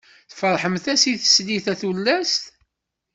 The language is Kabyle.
Ferḥemt-as i teslit, a tullas!